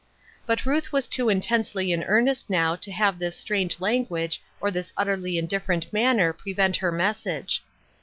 But Ruth was too intensely in earnest now to have this strange language or this utterly indiffer ent manner prevent her message.